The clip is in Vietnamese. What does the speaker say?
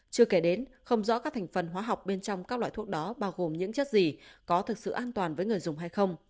chưa kể đến không rõ các thành phần hóa học bên trong các loại thuốc đó bao gồm những chất gì có thực sự an toàn với người dùng hay không